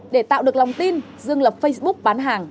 để tạo được lòng tin dương lập facebook bán hàng